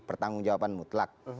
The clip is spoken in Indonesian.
pertanggung jawaban mutlak